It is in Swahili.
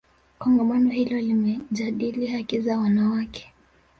kongamano hilo limejadili haki za wanawake